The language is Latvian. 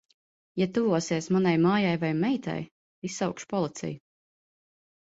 Ja tuvosies manai mājai vai meitai, izsaukšu policiju.